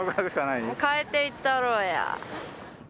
変えていったやろうや！